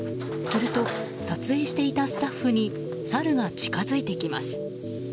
すると、撮影していたスタッフにサルが近づいてきます。